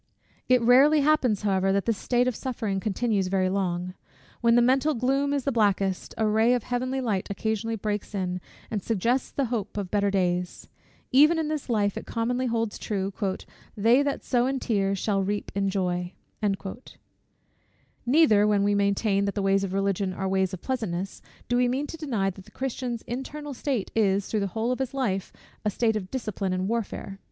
It rarely happens, however, that this state of suffering continues very long. When the mental gloom is the blackest, a ray of heavenly light occasionally breaks in, and suggests the hope of better days. Even in this life it commonly holds true, "They that sow in tears shall reap in joy." Neither, when we maintain, that the ways of Religion are ways of pleasantness, do we mean to deny that the Christian's internal state is, through the whole of his life, a state of discipline and warfare.